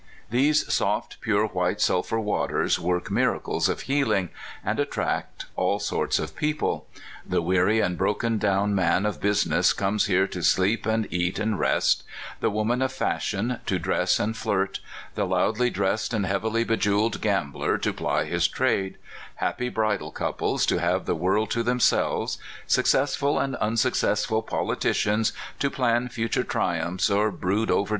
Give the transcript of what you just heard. These soft, pure white sulphur waters work miracles of healing, and at tract all sorts of people. The weary and broken down man of business comes here to sleep, and eat, and rest; the woman of fashion, to dress and flirt; the loudly dressed and heavily bejeweled gambler, to ply his trade ; happy bridal couples, to have the world to themselves; successful and unsuccessful politicians, to plan future triumphs or brood over (233) A DAY.